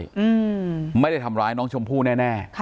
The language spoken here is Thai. มันไม่ละธรรมดิน้องชมพู่แน่